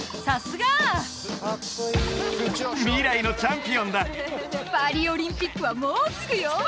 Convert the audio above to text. さすが！未来のチャンピオンだパリオリンピックはもうすぐよ！